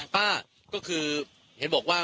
ป้าก็คือเห็นบอกว่า